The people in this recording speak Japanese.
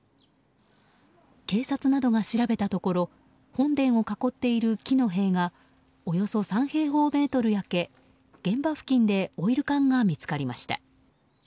警察などが調べたところ本殿を囲っている木の塀がおよそ３平方メートル焼け現場付近でオイル缶が見つかりました。